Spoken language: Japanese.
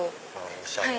おしゃれ。